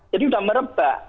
jadi sudah merebak